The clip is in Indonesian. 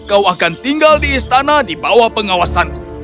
kau akan tinggal di istana di bawah pengawasanku